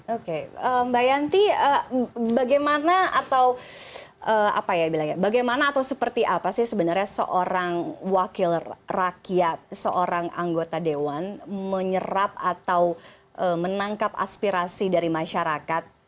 oke mbak yanti bagaimana atau apa ya bagaimana atau seperti apa sih sebenarnya seorang wakil rakyat seorang anggota dewan menyerap atau menangkap aspirasi dari masyarakat